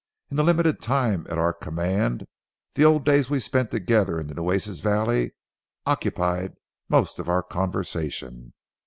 In the limited time at our command, the old days we spent together in the Nueces valley occupied most of our conversation.